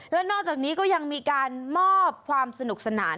แล้วนอกจากนี้ก็ยังมีการมอบความสนุกสนาน